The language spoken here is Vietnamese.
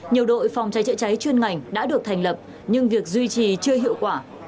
nhiều đội phòng trái trịa trái chuyên ngành đã được thành lập nhưng việc duy trì chưa hiệu quả